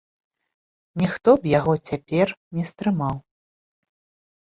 Ніхто б яго цяпер не стрымаў.